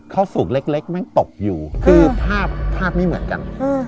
เข้าสู่เล็กแม่งตกอยู่คือภาพภาพไม่เหมือนกัน